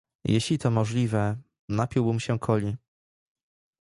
Jeśli to możliwe, napiłabym się Coli.